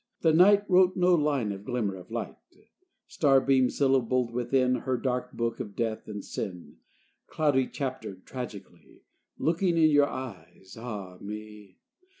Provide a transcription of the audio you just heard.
The night Wrote no line or glimmer of light, Starbeam syllabled, within Her dark book of death and sin, Cloudy chaptered tragicly. Looking in your eyes, ah me!